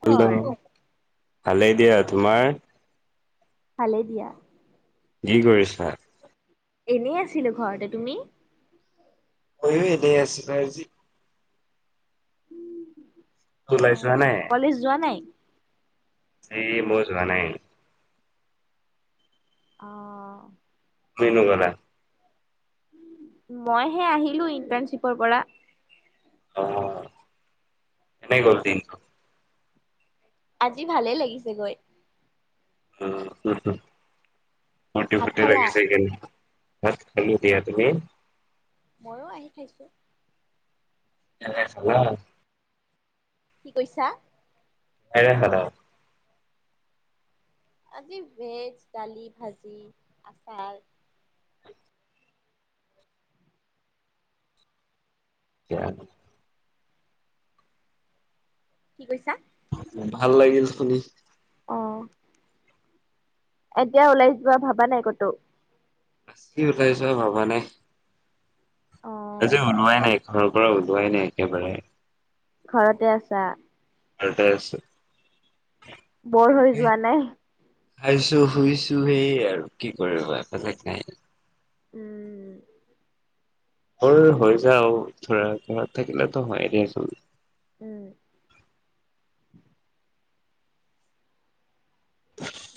Hello খবৰ ভালেই দিয়া তোমাৰ। ভালে দিয়া। কি কৰিছা? এনেই আছিলো ঘৰতে তুমি? ময়ো এনেই আছিলো আজি। ওলাই যোৱা অ', কলেজ যোৱা নাই। সেই মযোৱা নাই। আহ। মনু কা [unintelligible] মইহে আহিলো ইন্টাৰ্ণশ্বিপৰ পৰা। অ এনেই গ'ল দিনটো আজি ভালে লাগিছে গৈ। অ মটি ভাত ফটে খালা? লাগেছে কিনে [unintelligible] ভাত খালো দিয়া। তুমি? মইো আহি খাইছো। এনেই আছা ন। কি কৈছা? এ খাদ [unintelligible] আজি ভেজ। দালি, ভাজি, আচাৰ কিয়া। কি কৈছা? ভাল লাগিল শুনি। অ এতিয়া ওলাই যোৱা ভাবা নাই কতো? আ কি ওলাইছো ভাবা নাই। আজি ওলোৱাই নাই, ঘৰৰ পৰা ওলোৱাই নাই একেবাৰে। ঘৰতে আছা? ঘৰতে আছো। ব'ৰ হৈ যোৱা নাই? খাইছো শুইছো হেই আৰু কি কৰিব। বেলেগ নাই। উম ব'ৰ হৈ যাওঁ, ধৰা ঘৰত থাকিলেতো হয়ে দিয়া চোন উম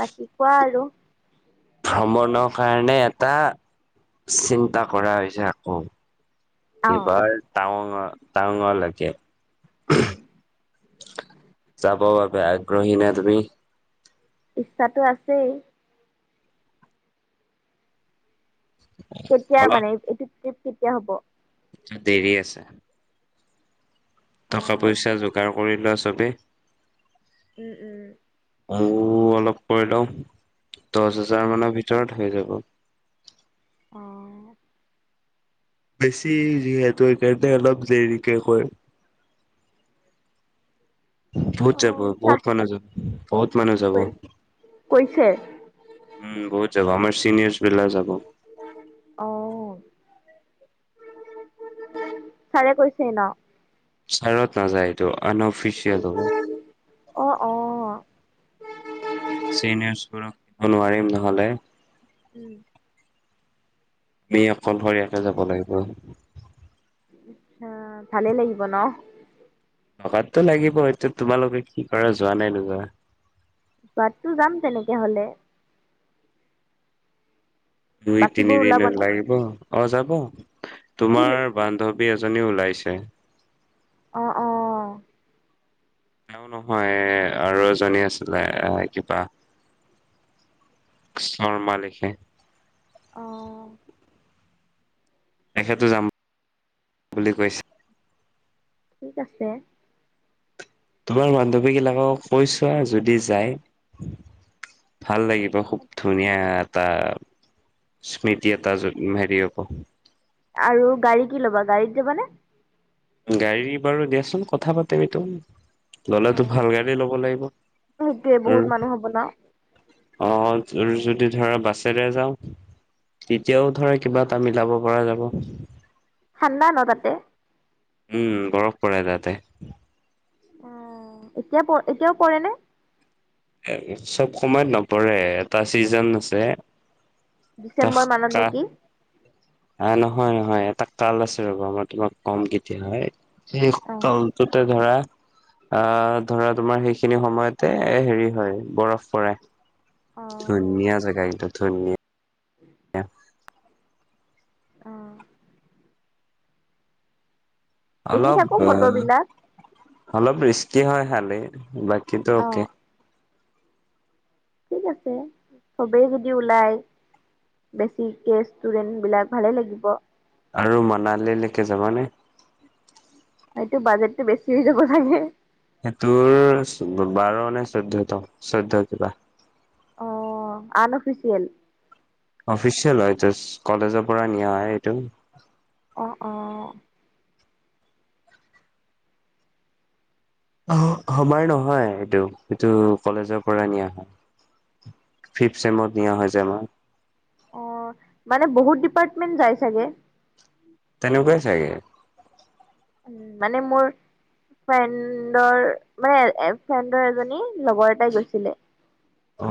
বাকী কোৱা আৰু? ভ্ৰমণৰ কাৰণে এটা চিন্তা কৰা হৈছে আকৌ অ ইবাৰ টাৱাং টাৱাংলৈকে উম যাব বাবে আগ্ৰহী নে তুমি? ইচ্ছাটো আছেই কেতিয়া অলপ মানে এইটো ট্ৰিপ কেতিয়া হ'ব? দেৰি আছে। টকা -পইচা যোগাৰ কৰি লোৱা চবেই উম উম মোৰো অলপ কৰি লওঁ দহ হেজাৰ অ', মানৰ ভিতৰত হৈ যাব। অ', বেছি যিহেতু সেকাৰণে অলপ দেৰিকে কৰিম। বহুত যাব অ', চা বহুত মানুহ যাব বহুত মানুহ যাব কৈছে? উম বহুত যাব আমাৰ চিনিয়ৰ্চ বিলাক যাব অ', ছাৰে কৈছে ন। ছাৰত নাযায় এইটো আনঅফিচিয়েল হ'ব অ', অ', চিনিয়ৰছবোৰক ল'ব নোৱাৰিম নহ'লে উম আমি অকলশৰীয়াকে যাব লাগিব। আা ভালে লাগিব ন লগাতটো লাগিব এইটো তোমালোকে কি কৰা যোৱা নাই নোযোৱা যোৱাতটো যাম তেনেকে হলে দুই, তিনি বাকীবোৰ দিনত ওলাবনে? লাগিব অ'যাব কি তোমাৰ বান্ধৱী এজনী ওলাইছে অ', অ', এও নহয় আৰু এজনী আছিলে এ কিবা শৰ্মা লিখে অ', তেখেতো যাম বুলি কৈছে ঠিক আছে। তোমাৰ বান্ধৱী বিলাকক কৈছোৱা যদি যায়। ভাল লাগিব খুব ধুনীয়া তাৰ স্মৃতি এটা হেৰি হ'ব আৰু গাড়ী কি ল'বা গাড়ীত যাবানে? গাড়ী বাৰু দিয়াচোন কথা পাতিম সেইটো। ললেতো ভাল গাড়ী ল'ব লাগিব সেইটোয়ে বহুত আৰু মানুহ হ'ব ন? অ', যদি ধৰা বাছেৰে যাওঁ তেতিয়াও ধৰা কিবা এটা মিলাব পৰা যাব। ঠাণ্ডা ন তাতে? উম, বৰফ পৰে তাতে। উম, এতিয়া প এতিয়াও পৰে নে? এ চব সময়ত নপৰে এটা চিজন আছে ডিচেম্বৰ মানত নেকি? অ', নহয় নহয় এটা কাল আছে ৰবা মই তোমাক কম কেতিয়াবা। সেই অ'। কালটোতে ধৰা আ, ধৰা তোমাৰ সেইখিনি সময়তে এ হেৰি হয়, বৰফ পৰে অ', ধুনীয়া জেগা সেইটো ধুনীয়া এ অ', দেখি অলপ থাকো ফটোবিলাক অলপ ৰিস্কি হয় হালে বাকীটো অ', অ'কে। ঠিক আছে সবেই যদি ওলাই। বেছিকে ষ্টুডেণ্ট বিলাক ভালে লাগিব। আৰু মানালীলৈকে যাবানে? এইটো বাজেটটো বেছি হৈ যাব চাগে। সেইটোৰ বাৰ নে চৈধ্য ত' চৈধ্য কিবা অ', আন অফিচিয়েল। অফিচিয়েল হয় যচ কলেজৰ পৰা নিয়া এইটো। অ', অ', অ সমৰ নহয় এইটো সেইটো কলেজৰ পৰা নিয়া হয় ফিফ চেমত নিয়া হৈ যায় আমাৰ অ মানে বহুত ডিপাৰ্টমেন্ট যাই চাগে তেনেকুৱাই ছাগে উ মানে মোৰ ফ্ৰেণ্ডৰ মানে ফ্ৰেণ্ডৰ এজনী লগৰ এটাই গৈছিলে। অ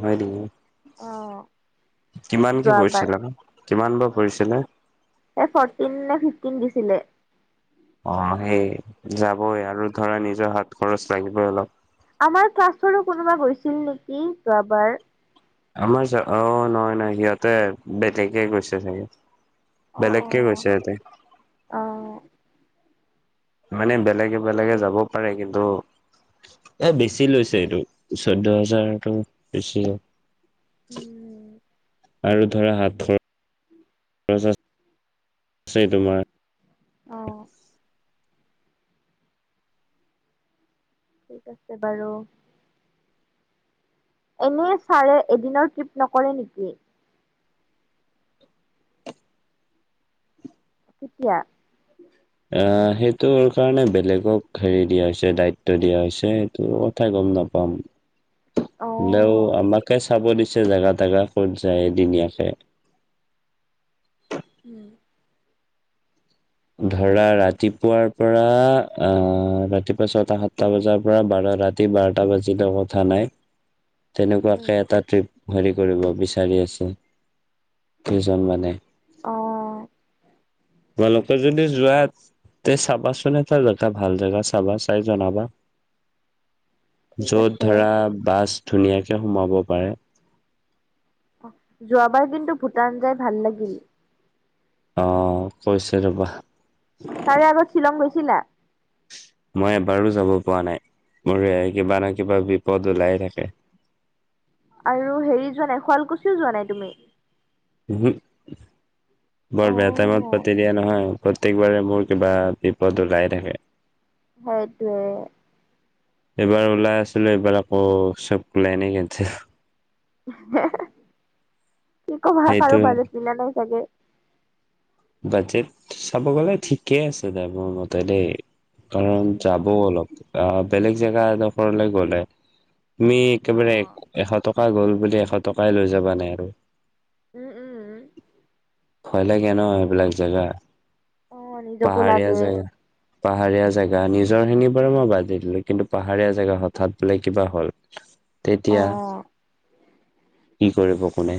হয় নেকি অ', কিমানকে যোৱাবাৰ পৰিছিল? কিমান বা পৰিছিলে? কিন দিছিলে অ', সেই যাবই আৰু ধৰা নিজৰ হাত খৰচ লাগিবই অলপ। আমাৰ ক্লাছৰো কোনোবা গৈছিল নেকি যোৱাবাৰ। আমাৰ অ', নহয় নহয় সিহঁতে বেতেগে গৈছে চাগে। অ', বেলেগকে অ'। গৈছে সিহঁতে। অ', মানে বেলেগে বেলেগে যাব পাৰে কিন্তু এ বেছি লৈছে এইটো চৈধ্য হাজাৰটো বেছিয়ে। উম, আৰু ধৰা হাতৰ উম তাৰ পিছত সেই তোমাৰ অ ঠিক আছে বাৰু এনে ছাৰে এদিনৰ ট্ৰিপ নকৰে নেকি? তেতিয়া অ সেইটো কাৰণে বেলেগক হেৰি দিয়া হৈছে দায়িত্ব দিয়া হৈছে সেইটো কথা গম নাপাওঁ উম অ হলেও আমাকে চাব দিছে জাগা তাগা ক'ত যায় এদিনীয়াকে। উম ধৰা ৰাতিপুৱাৰ পৰা আহ ৰাতিপুৱা ছয়টা সাতটা বজাৰ পৰা বাৰ ৰাতি বাৰটা বাজিলেও কথা নাই উম, তেনেকুৱাকে এটা ট্ৰিপ হেৰি কৰিব বিচাৰি আছো কেইজন মানে আহ। ভাল তই যদি যোৱা তই চাবাচোন এটা জেগা ভাল জেগা চাবা চাই জনাবা। ঠিক য'ত আছে ধৰা বাছ ধুনীয়াকে সোমাব পাৰে। যোৱাবাৰ কিন্তু ভূটান যাই ভাল লাগিল। আহ কৈছে ৰবা। তাৰে আগত [unintelligible] মই এবাৰো যাব পৰা নাই, মোৰ কিবা নহয় কিবা বিপদ ওলাই থাকে। আৰু হেৰি যোৱা নাই, শুৱালকুছিও যোৱা নাই তুমি? অ বৰ বেয়া টাইমত পাতি দিয়া নহয়। প্ৰত্যেকবাৰে মোৰ কিবা বিপদ ওলাই থাকে। হয় দেই। এইবাৰ ওলাই আছিলো এইবাৰ আকৌ চব লাইনে কেন্সেল। কি কবা, কাৰো সেইটোৱে বাজেট মিলা নাই চাগে। বাজেট চাব গ'লে ঠিকে আছে দা মোৰ মতে দেই। কাৰণ উম, যাবও অলপ, আহ বেলেগ জেগা এডোখৰলৈ গলে তুমি অ একেবাৰে এশ টকা গ'ল বুলি এশ টকাই লৈ যাবা নে আৰু। উম উম ভয় লাগে ন সেইবিলাক জেগা। অ নিজকো পাহাৰীয়া লাগে। জেগা পাহাৰীয়া জেগা নিজৰ খিনিৰ বোৰ মই বাদেই দিলো, কিন্তু পাহাৰীয়া জেগা হঠাৎ বোলে কিবা হ'ল। অ তেতিয়া কি কৰিব কোনে।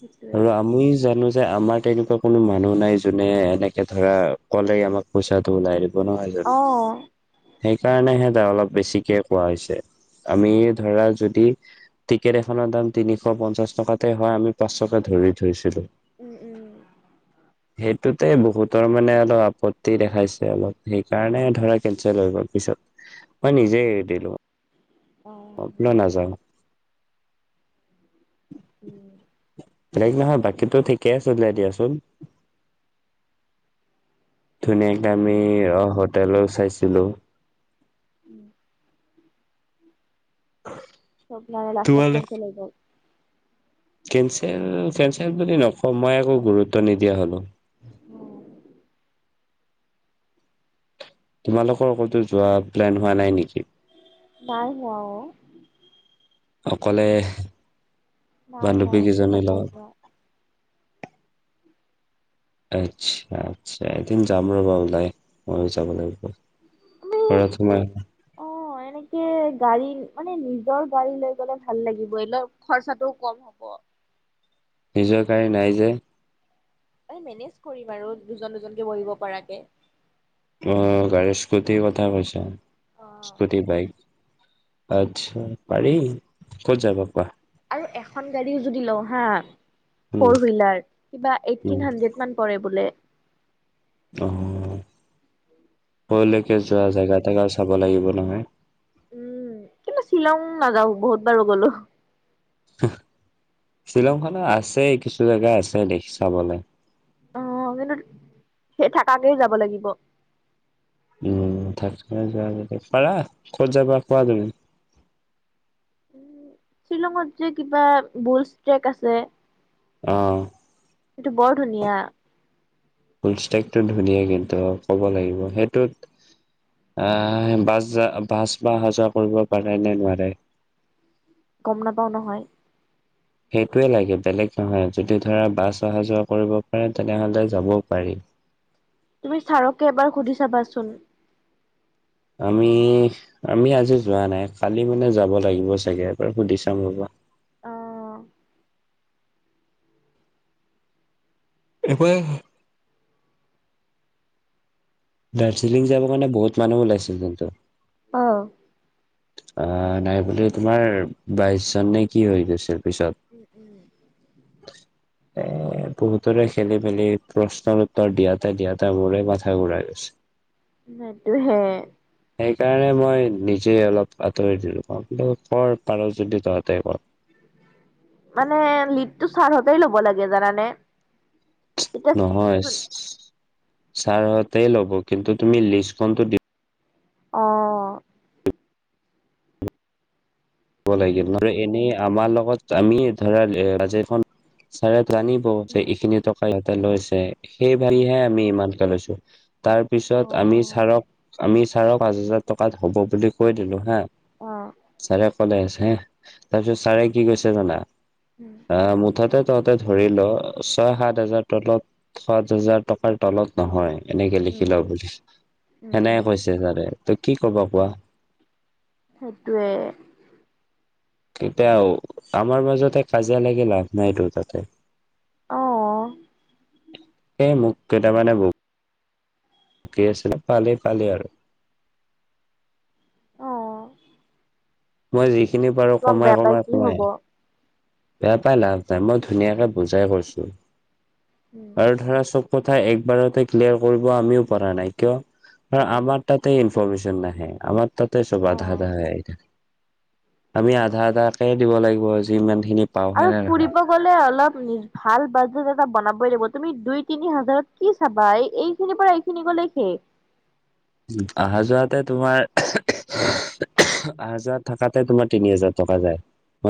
সেইটোৱে আৰু আমি জানো যে আমাৰ তেনেকুৱা কোনো মানুহ নাই যোনে এনেকে ধৰা কলেই আমাক পইচাটো ওলাই। অ সেইকাৰণেহে ত অলপ বেছিকে কোৱা হৈছে। আমি ধৰা যদি টিকেট এখনৰ দাম তিনিশ পঞ্চাশ টকাতে হয় আমি পাঁচশকে ধ ধৰি থৈছিলো। উম, উম। সেইটোতে বহুতৰ মানে অলপ আপত্তি দেখাইছে অলপ সেইকাৰণে ধৰা কেনচেল হৈ গল। পিছত মই নিজে এৰি দিলো, অ অব‌‌ মই নাযাওঁ। অে হেৰি নহয় বাকীটো ঠিকেই আছিলে দিয়াচোন। অ ধুনীয়াকে আমি সেইটোৱে হোটেলো চাইছিলো। উম অ সপ্নানে লাষ্ট্ত কেঞ্চ হৈ গ'ল। কেন্সেল কেন্সেল বুলি নকওঁ মই একো গুৰুত্ব নিদিয়া হলো। তোমালোকৰ কতো যোৱা প্লেন হোৱা নাই নেকি। বাই হ। অকলে নাই, বান্ধৱী নাই এইটো কেইজনীৰ হ'বই লগত ন। আচ্ছা, আচ্ছা এদিন যাম ৰবা ওলাই মই যাব লাগিব। তুমি ঘৰত সোমাই অ', এনেকে গাড়ী মানে নি নিজৰ গাড়ী লৈ গ'লে ভাল লাগিব এই খৰচাটোও কম হব। নিজৰ গড়ী নাই যে মেনেজ কৰিম আৰু দুজন দুজনকে বহিব পৰাকে। অ', গাড়ীৰ স্কুটিৰ কথা কৈছা অ স্কুটি বাইক আচ্ছা পাৰি ক'ত যাবা কোৱা। আৰু এখন গাড়ীও যদি লওঁ হা উম ফ'ৰ হইলাৰ কিবা উম এটিনহানড্ৰে মান পৰে বোলে। অ'। কলৈকে যোৱা জেগা তেগা আৰু চাব লাগিব নহয়। উম, কিন্তু শ্বিলং নাযাও বহুত বাৰো গলো। শ্বিলং খত আছে কিছু জেগা আছে দেখি চাবলৈ। আহ, কিন্তু সেই থাকাকেই যাব লাগিব। উম, থাক যোবা পাৰা ক'ত যাবা পোৱা তুমি। উ শ্বিলঙত যে কিবা বুলছ ট্ৰেক আছে। আহ। এইটো বৰ ধুনীয়া। [unintelligible] ধুনীয়া কিন্তু ক'ব লাগিব সেইটোত আহ বাছ বাছ বা অহা যোৱা কৰিব পাৰে নে নোৱাৰে। গম নাপাও নহয়। সেইটোৱে লাগে বেলেগ নহয় যদি ধৰা বাছ অহা যোৱা কৰিব পাৰে তেনেহলে যাবও পাৰি। তুমি ছাৰকে এবাৰ সুধি চাবাচোন। আমি আমি আজি যোৱা নাই কালি মানে যাব লাগিব চাগে এবাৰ সুধি চাম ৰবা। অ'। [inaudible] দাৰ্জিলিং যাবৰ কাৰণে বহুত মানুহ ওলাইছিল কিন্তু। অ'। অ', নাই বুলি তোমাৰ বাইশ জন নে কি হৈ গৈছিল। পিছত উম, উম। এ বহুতৰে খেলি মেলি প্ৰশ্নৰ উত্তৰ দিয়াতে দিয়াতে মোৰে মাথা ঘূৰাই গৈছে। নটো হে সেইকাৰণে মই নিজে অলপ আঁতৰি দিলো কওঁ কিন্তু কৰ পাৰ যদি তহঁতে কৰ। মানে লিডটো ছাৰহতেই ল'ব লাগে জানানে? নহয় তেতিয়া ছাৰহঁতে ল'ব কিন্তু তুমি লিষ্টখনতো দি অ', [unintelligible] এনেই আমাৰ লগত আমি ধৰা এ বাজেট খন চাৰে জানিব যে উম, এইখিনি টকা ইহঁতে লৈছে সেই উম, ভাবিহে আমি ইমান লৈছো তাৰ পিছত আমি অ', ছাৰক আমি ছাৰক পাঁচ হাজাৰ টকাত হ'ব বুলি কৈ দিলো হা। অ', ছাৰে কলে আছে হে তাৰপিছত ছাৰে কি কৈছে জানা। উম, আহ মুঠতে তহঁতে ধৰি ল ছয় সাত হাজাৰ তলত সাত হাজাৰ টকাৰ তলত নহয়। এনেকে লিখি উম। ল বুলি উম, সেনেকে কৈছে ছাৰে তই কি কব কোৱা। সেইটোয়ে। এতিয়া আমাৰ মাজতে কাজিয়া লাগিল লাভ নাইতো তাতে। অ', এই মোক কেইটামানে বোক কি আছিলোঁ পালে পালে আৰু। [inaudible] মই যিখিনি পাৰোঁ তোমাক বেয়া পাই কি হব কমাই-কমাই-কমাই বেয়া পাই লাভ নায়, মই ধুনীয়াকৈ বুজাই কৈছো উম, আৰু ধৰা চব কথা একবাৰতে ক্লিয়াৰ কৰিব আমিও পৰা নাই কিয় কাৰণ উম, আমাৰ তাতে [unintelligible] নাহে আমাৰ তাতে চব আধা অ'। আধা হৈ থাকে আমি আধা আধাকে দিব লাগিব যিমান খিনি পাওঁ হয় আৰু নে নহয় ফুৰিব গ'লে অলপ ভাল বাজেট এটা বনাবই লাগিব, তুমি দুই তিনি হাজাৰত কি চাবা এই এইখিনিৰ পৰা এইখিনি লৈখে উম, অহা যোৱাতে তোমাৰ আহা যোৱা থাকাতে তোমাৰ তিনি হাজাৰ টকা যায়।